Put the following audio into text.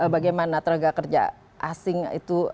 bagaimana tenaga kerja asing itu